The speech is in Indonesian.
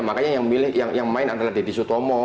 makanya yang main adalah deddy sutomo